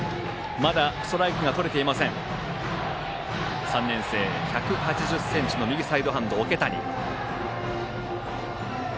まだストライクがとれていません３年生、１８０ｃｍの右サイドハンドの桶谷。